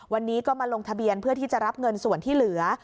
วันนี้ก็มาลงทะเบียนเพื่อที่จะรับเงินส่วนที่เหลือ